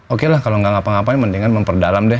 oke lah kalau nggak ngapa ngapain mendingan memperdalam deh